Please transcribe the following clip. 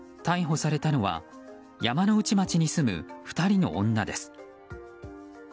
逮捕されたのは山ノ内町に住む２人の女です。